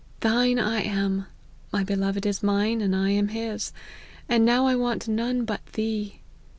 Thine I am ;' My beloved is mine, and I am his ;' and now I want none but Thee.